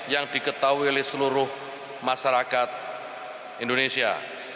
yang diketahui oleh seluruh masyarakat indonesia